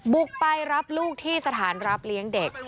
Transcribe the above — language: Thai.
บุกไปรับลูกที่สถานรับเลี้ยงเด็ก